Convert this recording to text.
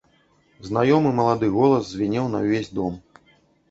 Знаёмы малады голас звінеў на ўвесь дом.